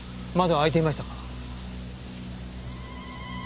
開いていました。